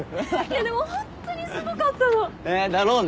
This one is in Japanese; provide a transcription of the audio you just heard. でもホントにすごかったの！だろうね。